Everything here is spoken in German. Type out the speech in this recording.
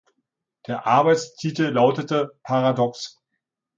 Der Arbeitstitel lautete „Paradox“.